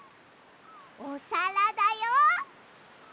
おさらだよ！